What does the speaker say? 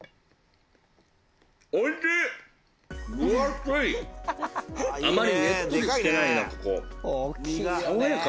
おいしい！